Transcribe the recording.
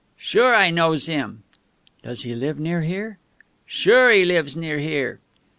"Sure, I knows him." "Does he live near here?" "Sure, he lives near here."